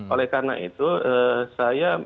oleh karena itu saya